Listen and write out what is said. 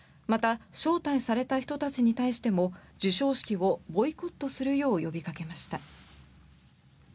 また招待された人たちに対しても授賞式をボイコットするよう呼びかけました。